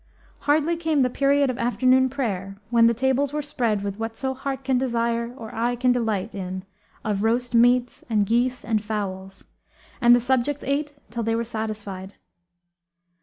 Hardly came the period of afternoon prayer when the tables were spread with whatso heart can desire or eye can delight in of roast meats and geese and fowls; and the subjects ate till they were satisfied.